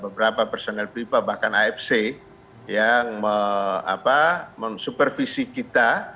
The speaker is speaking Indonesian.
beberapa personel fifa bahkan afc yang mensupervisi kita